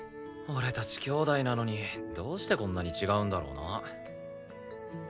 俺たち兄妹なのにどうしてこんなに違うんだろうな。